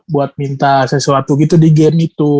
buat minta sesuatu gitu di game itu